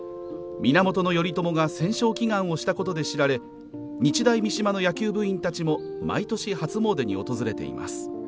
源頼朝が戦勝祈願をしたことで知られ日大三島の野球部員たちも毎年初詣に訪れています。